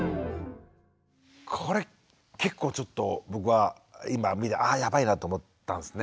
これ結構ちょっと僕は今見てあやばいなと思ったんですね。